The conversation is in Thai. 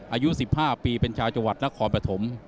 อายุ๑๕ปีเป็นชาวจังหวัดนครปฐม